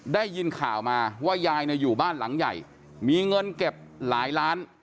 ได้ยินข่าวมาว่ายายเนี่ยอยู่บ้านหลังใหญ่มีเงินเก็บหลายล้าน